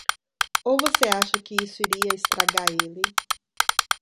Ou você acha que isso iria estragar ele?